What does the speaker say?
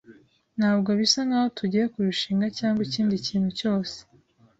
Ntabwo bisa nkaho tugiye kurushinga cyangwa ikindi kintu cyose.